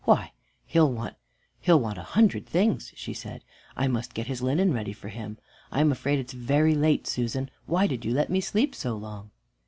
"Why! he'll want, he'll want a hundred things," she said. "I must get his linen ready for him. I'm afraid it's very late. Susan, why did you let me sleep so long?"